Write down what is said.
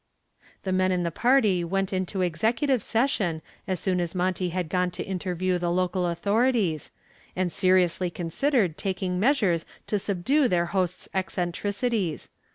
The men in the party went into executive session as soon as Monty had gone to interview the local authorities, and seriously considered taking measures to subdue their host's eccentricities.